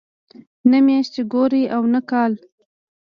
نه میاشت ګوري او نه کال.